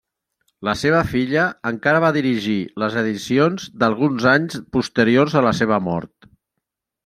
La seva filla encara va dirigir les edicions d'alguns anys posteriors a la seva mort.